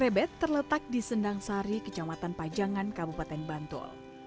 bebet terletak di sendang sari kecamatan pajangan kabupaten bantul